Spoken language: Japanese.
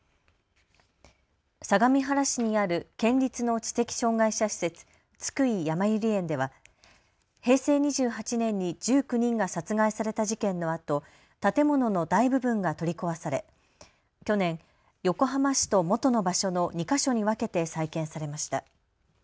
相模原市にある県立の知的障害障害者施設、津久井やまゆり園では平成２８年に１９人が殺害された事件のあと建物の大部分が取り壊され去年横浜市と元の場所の２か所に分けて再建されました。